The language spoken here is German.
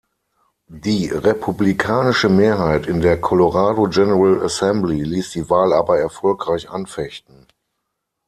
Die republikanische Mehrheit in der Colorado General Assembly ließ die Wahl aber erfolgreich anfechten.